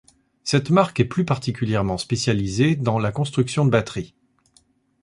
Cette marque est plus particulièrement spécialisée dans la construction de batteries.